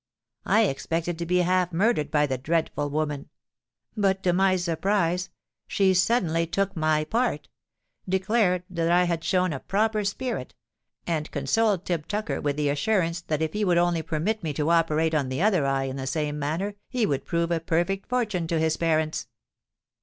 I expected to be half murdered by the dreadful woman: but, to my surprise, she suddenly took my part—declared that I had shown a proper spirit—and consoled Tib Tucker with the assurance that if he would only permit me to operate on the other eye in the same manner, he would prove a perfect fortune to his parents.